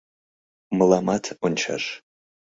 Мыламат ончаш.